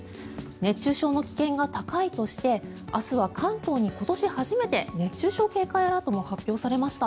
熱中症の危険が高いとして明日は関東に今年初めて熱中症警戒アラートも発表されました。